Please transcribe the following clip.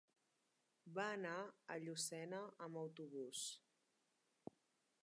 Va anar a Llucena amb autobús.